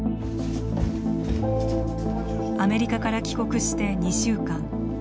アメリカから帰国して２週間。